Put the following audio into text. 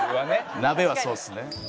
鍋はそうっすね。